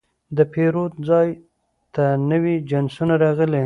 د پیرود ځای ته نوي جنسونه راغلي.